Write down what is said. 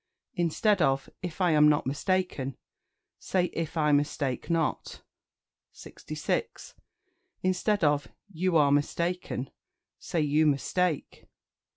Instead of "If I am not mistaken," say "If I mistake not." 66. Instead of "You are mistaken," say "You mistake."